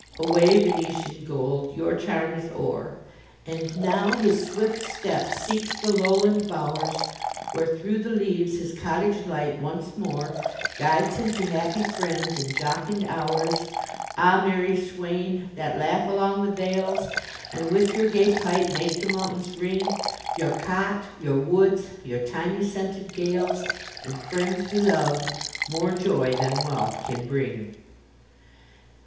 Away, Venetian gold—your charm is o'er! And now his swift step seeks the lowland bow'rs, Where, through the leaves, his cottage light once more Guides him to happy friends, and jocund hours. Ah, merry swain! that laugh along the vales, And with your gay pipe make the mountains ring, Your cot, your woods, your thymy scented gales— And friends belov'd, more joy than wealth can bring!